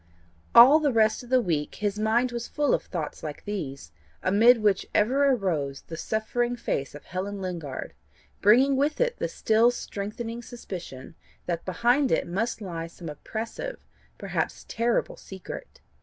All the rest of the week his mind was full of thoughts like these, amid which ever arose the suffering face of Helen Lingard, bringing with it the still strengthening suspicion that behind it must lie some oppressive, perhaps terrible secret.